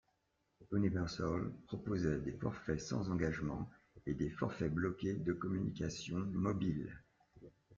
Universal proposait des forfaits sans engagement et des forfaits bloqués de communications mobiles.